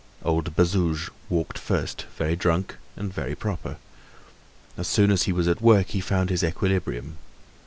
Old Bazouge walked first, very drunk and very proper. As soon as he was at work he found his equilibrium.